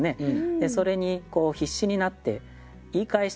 でそれに必死になって言い返している。